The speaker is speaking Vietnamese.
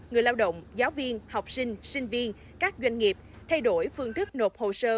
người lao động giáo viên học sinh sinh viên các doanh nghiệp thay đổi phương thức nộp hồ sơ